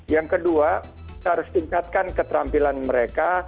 yang kedua kita harus tingkatkan keterampilan mereka